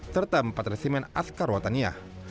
serta empat resimen askar watania